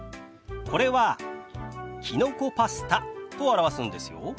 これは「きのこパスタ」と表すんですよ。